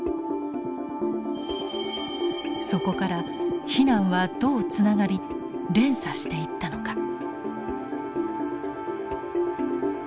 そこから避難はどうつながり連鎖していったのか。